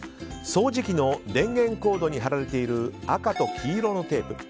掃除機の電源コードに貼られている赤と黄色のテープ。